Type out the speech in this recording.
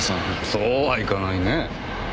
そうはいかないね。